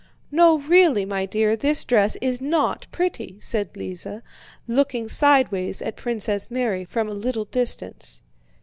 "No really, my dear, this dress is not pretty," said Lise, looking sideways at Princess Mary from a little distance.